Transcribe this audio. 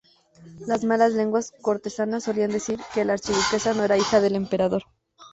Las malas lenguas cortesanas solían decir que la archiduquesa no era hija del emperador.